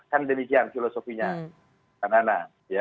kan demikian filosofinya